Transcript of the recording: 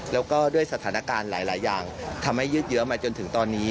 แล้วก็ด้วยสถานการณ์หลายอย่างทำให้ยืดเยอะมาจนถึงตอนนี้